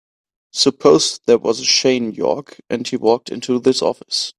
Suppose there was a Shane York and he walked into this office.